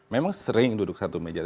memang sering duduk satu meja